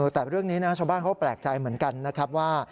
แต่เรื่องนี้นะชาวบ้านเขาก็แปลกใจเหมือนกันนะครับว่า